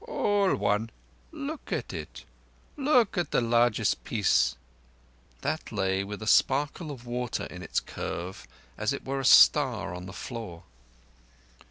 "All one. Look at it. Look at the largest piece." That lay with a sparkle of water in its curve, as it were a star on the floor.